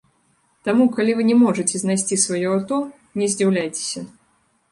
Таму, калі вы не можаце знайсці сваё аўто, не здзіўляйцеся.